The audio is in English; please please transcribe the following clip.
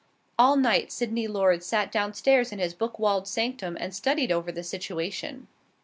All night Sydney Lord sat down stairs in his book walled sanctum and studied over the situation.